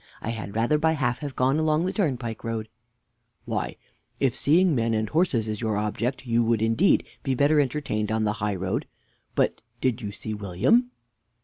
I had rather by half have gone along the turnpike road. Mr. A. Why, if seeing men and horses is your object, you would, indeed, be better entertained on the highroad. But did you see William?